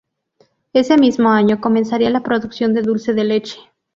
Ese mismo año comenzaría la producción de dulce de leche.